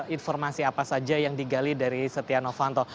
informasi apa saja yang digali dari setia novanto